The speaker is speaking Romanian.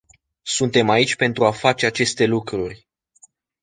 Suntem aici pentru a face aceste lucruri.